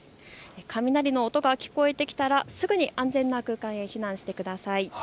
雷の音が聞こえてきたらすぐに安全な空間へ避難してください。